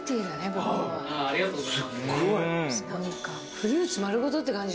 フルーツ丸ごとって感じ。